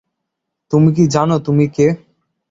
তুমি কি জানো তুমি কে?